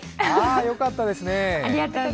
良かったですね。